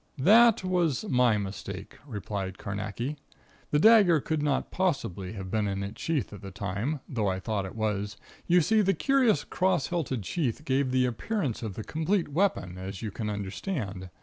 "That was my mistake," replied Carnacki. "The dagger could not possibly have been in its sheath at the time, though I thought it was. You see, the curious cross hilted sheath gave the appearance of the complete weapon, as you can understand.